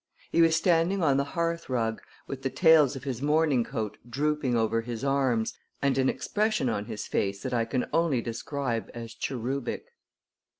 He was standing on the hearthrug, with the tails of his morning coat drooping over his arms and an expression on his face that I can only describe as cherubic.